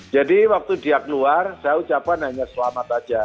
jadi waktu dia keluar saya ucapkan hanya selamat aja